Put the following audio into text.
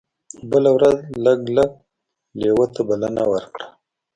بله ورځ لګلګ لیوه ته بلنه ورکړه.